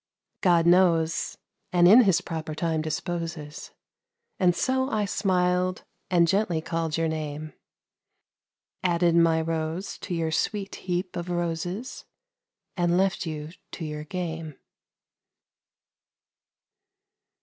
God knows, and in His proper time disposes, And so I smiled and gently called your name, Added my rose to your sweet heap of roses, And left you to your game.